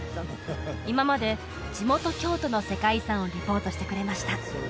今まで地元京都の世界遺産をリポートしてくれました